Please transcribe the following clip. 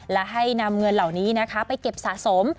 และให้นำเงินเหล่านี้ไปเก็บสะสม